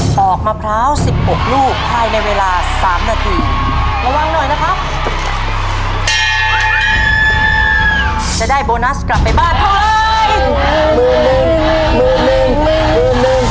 ปอกมะพร้าว๑๖ลูกภายในเวลา๓นาที